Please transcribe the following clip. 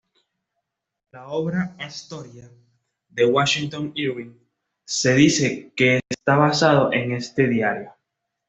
La obra "Astoria" de Washington Irving se dice que está basado en este diario.